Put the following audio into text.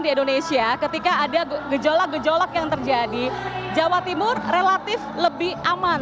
di indonesia ketika ada gejolak gejolak yang terjadi jawa timur relatif lebih aman